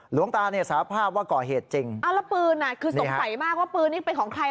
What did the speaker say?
หลวงตาเนี่ยสาภาพว่าก่อเหตุจริงเอาแล้วปืนอ่ะคือสงสัยมากว่าปืนนี้เป็นของใคร